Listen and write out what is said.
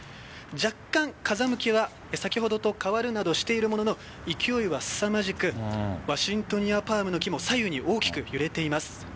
若干、風向きが先ほどと変わるなどしているものの勢いはすさまじくワシントニアパームの木も左右に大きく揺れています。